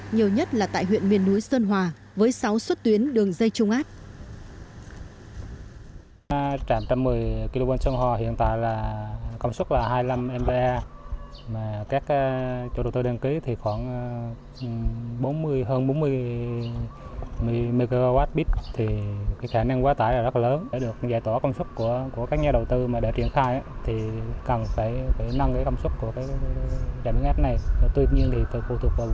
nhiều nhất là tại huyện miền núi sơn hòa với sáu suất tuyến đường dây chung áp